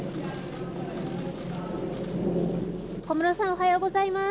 小室さん、おはようございます。